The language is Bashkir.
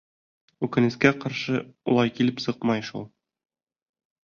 Үкенескә ҡаршы, улай килеп сыҡмай шул.